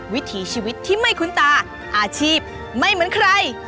วิถีชีวิตที่ไม่คุ้นตาอาชีพไม่เหมือนใคร